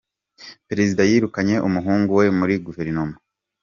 Perezida yirukanye umuhungu we muri Guverinoma